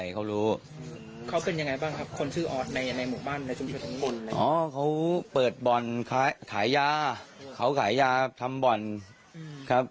เขาขายยาทำบ่อนครับ